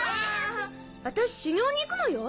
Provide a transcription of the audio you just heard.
私修行に行くのよ。